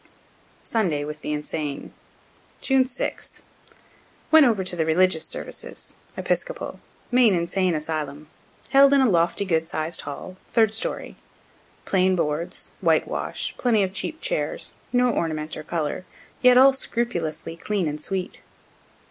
SUNDAY WITH THE INSANE June 6. Went over to the religious services (Episcopal) main Insane asylum, held in a lofty, good sized hall, third story. Plain boards, whitewash, plenty of cheap chairs, no ornament or color, yet all scrupulously clean and sweet.